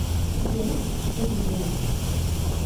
This is war!